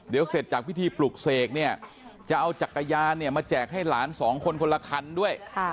เดี๋ยวเสร็จจากพิธีปลุกเสกเนี่ยจะเอาจักรยานเนี่ยมาแจกให้หลานสองคนคนละคันด้วย